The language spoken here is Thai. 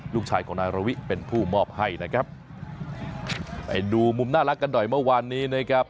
ลูกชายของนายระวิเป็นผู้มอบให้นะครับไปดูมุมน่ารักกันหน่อยเมื่อวานนี้นะครับ